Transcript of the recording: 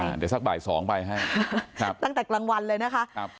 เดี๋ยวสักบ่าย๒บ่ายให้ตั้งแต่กลางวันเลยนะคะ